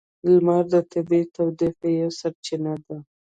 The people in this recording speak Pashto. لمر د طبیعی تودوخې یوه سرچینه ده.